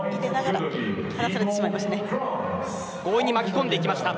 強引に巻き込んでいきました。